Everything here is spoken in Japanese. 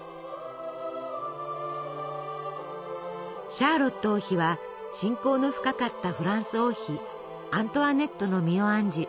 シャーロット王妃は親交の深かったフランス王妃アントワネットの身を案じ